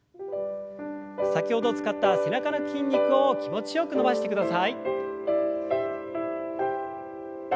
先ほど使った背中の筋肉を気持ちよく伸ばしてください。